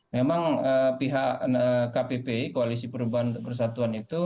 memang pihak kpp koalisi perubahan untuk persatuan itu